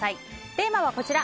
テーマはこちら。